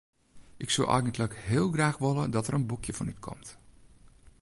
Ik soe eigentlik heel graach wolle dat der in boekje fan útkomt.